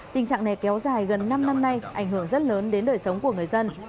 tình trạng này kéo dài gần năm năm nay ảnh hưởng rất lớn đến đời sống của người dân